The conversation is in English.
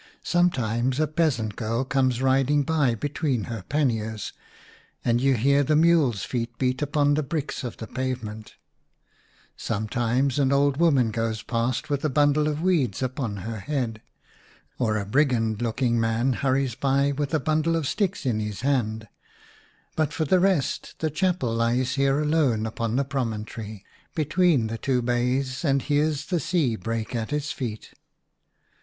Sometimes a peasant girl comes riding by between her panniers, and you hear the mule's feet beat upon the bricks of the pave IN A RUINED CHAPEL. loi ment ; sometimes an old woman goes past with a bundle of weeds upon her head, or a brigand looking man hurries by with a bundle of sticks in his hand ; but for the rest the Chapel lies here alone upon the promontory, between the two bays and hears the sea break at its feet.